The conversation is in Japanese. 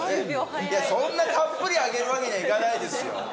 そんなたっぷりあげるわけにはいかないですよ。